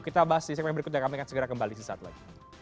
kita bahas di segmen berikutnya kami akan segera kembali sesaat lagi